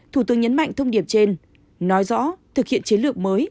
thường nhấn mạnh thông điệp trên nói rõ thực hiện chiến lược mới